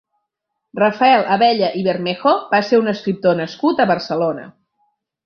Rafael Abella i Bermejo va ser un escriptor nascut a Barcelona.